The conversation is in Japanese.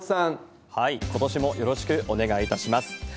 ことしもよろしくお願いいたします。